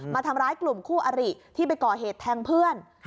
มาทำร้ายกลุ่มคู่อริที่ไปก่อเหตุแทงเพื่อน